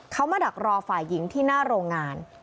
เขามาดักรอฝ่ายหญิงที่หน้าโรงงาน